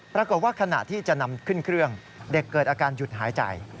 ปรากฏว่าขณะที่จะนำขึ้นเครื่องเด็กเกิดอาการหยุดหายใจ